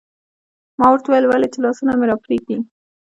ما ورته وویل: ولې؟ چې لاسونه مې راپرېږدي.